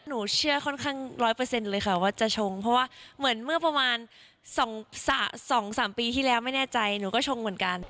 หนูเชื่อค่อนข้าง๑๐๐เลยค่ะว่าจะชงเพราะว่าเหมือนเมื่อประมาณ๒๓ปีที่แล้วไม่แน่ใจหนูก็ชงเหมือนกัน